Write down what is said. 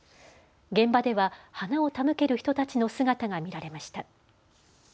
現場では花を手向ける人たちの姿が見られました。